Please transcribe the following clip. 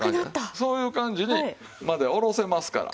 そういう感じまでおろせますから。